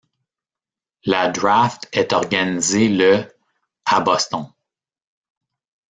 La draft est organisée le à Boston.